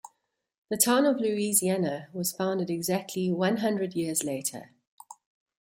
The town in Louisiana was founded exactly one hundred years later.